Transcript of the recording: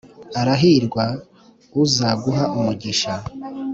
arahirwa uzaguha umugisha.